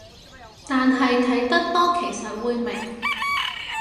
但係睇得多其實會明